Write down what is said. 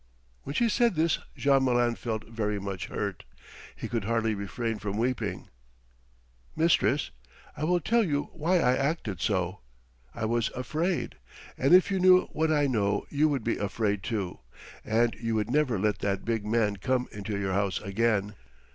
When she said this Jean Malin felt very much hurt. He could hardly refrain from weeping. "Mistress, I will tell you why I acted so. I was afraid, and if you knew what I know, you would be afraid, too, and you would never let that big man come into your house again."